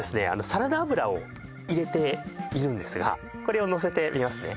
サラダ油を入れているんですがこれを載せてみますね